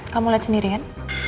kamu liat sendiri kan